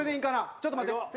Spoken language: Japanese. ちょっと待って。